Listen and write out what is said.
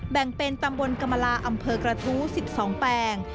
แบ่งเป็นตำบลกรรมลาอำเภอกระทู้๑๒แปลง